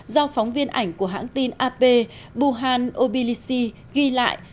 do phóng viên ảnh của hãng tin ap buhan obilisi ghi lại